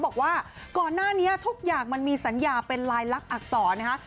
บอกว่าก่อนหน้านี้ทุกอย่างมันมีสัญญาเป็นลายลักษณอักษรนะคะ